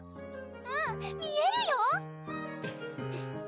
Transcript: うん見えるよ！